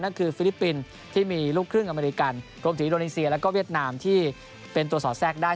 ฟิลิปปินส์ที่มีลูกครึ่งอเมริกันรวมถึงอินโดนีเซียแล้วก็เวียดนามที่เป็นตัวสอดแทรกได้